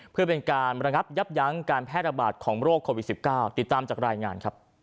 เพื่อเป็นการระงับยับยั้งการแพร่ระบาดของโรคโควิด๑๙ติดตามจากรายงานครับ